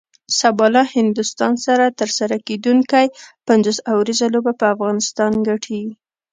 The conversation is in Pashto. سبا له هندوستان سره ترسره کیدونکی پنځوس اوریزه لوبه به افغانستان ګټي